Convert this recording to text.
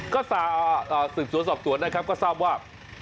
ก็สืบสวนสอบสวนนะครับก็ทราบว่า